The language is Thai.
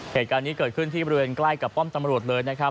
เหตุการณ์นี้เกิดขึ้นที่บริเวณใกล้กับป้อมตำรวจเลยนะครับ